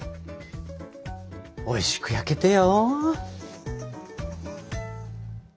おいしく焼けてよ。